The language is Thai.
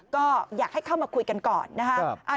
ก็อยากให้เข้ามาคุยกันก่อนนะคะ